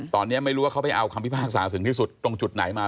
ตอนนี้ไม่รู้ว่าเขาไปเอาคำพิพากษาถึงที่สุดตรงจุดไหนมา